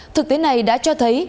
thực tế này đã cho thấy